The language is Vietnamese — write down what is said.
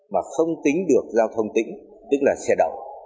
mà không tính được giao thông tĩnh tức là xe đậu